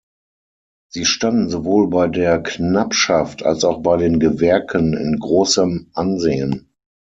Sie standen sowohl bei der Knappschaft, als auch bei den Gewerken in großem Ansehen.